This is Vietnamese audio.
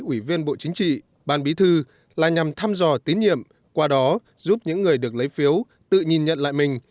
ủy viên bộ chính trị ban bí thư là nhằm thăm dò tín nhiệm qua đó giúp những người được lấy phiếu tự nhìn nhận lại mình